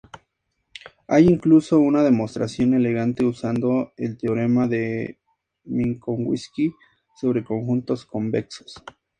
Hay incluso una demostración elegante usando el teorema de Minkowski sobre conjuntos convexos.